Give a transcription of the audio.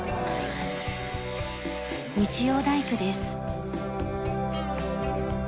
日曜大工です。